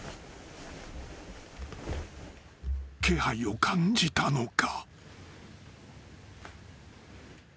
［気配を感じたのか］